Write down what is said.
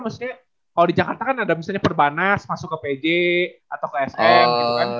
maksudnya kalau di jakarta kan ada misalnya perbanas masuk ke pj atau ke sm gitu kan